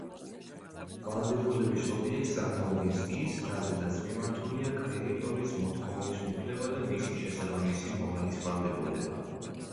ვალდებულების ობიექტს წარმოადგენს ის, რაზედაც მიმართულია კრედიტორის მოთხოვნის უფლება და მისი შესაბამისი მოვალის ვალდებულება.